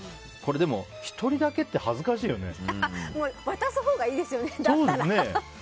でも、１人だけって渡すほうがいいですよねだったら。